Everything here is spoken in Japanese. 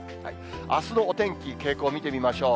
あすのお天気、傾向見てみましょう。